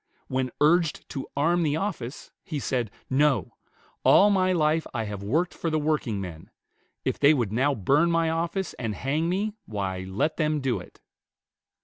When urged to arm the office, he said, "No; all my life I have worked for the workingmen; if they would now burn my office and hang me, why, let them do it."